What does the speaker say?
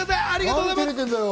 ありがとうございます。